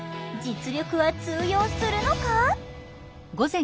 実力は通用するのか？